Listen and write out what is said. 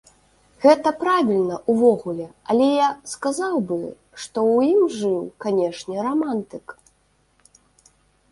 Гэта правільна, увогуле, але я сказаў бы, што ў ім жыў, канешне, рамантык.